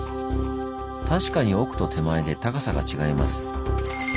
確かに奥と手前で高さが違います。